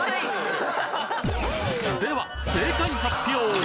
では正解発表！